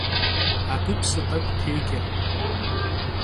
Abı psı t'ek'u têç'e.